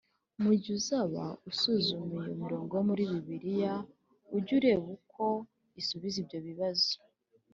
Mu gihe uzaba usuzuma iyo mirongo yo muri Bibiliya, ujye ureba uko isubiza ibyo bibazo